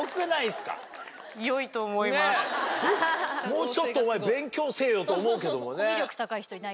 もうちょっとお前勉強せぇよと思うけどもね。